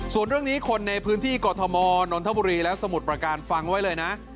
ส่วนเรื่องนี้คนในพื้นที่กรทมนนทบุรีและสมุทรประการฟังไว้เลยนะ